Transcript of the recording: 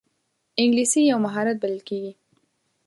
انګلیسي یو مهارت بلل کېږي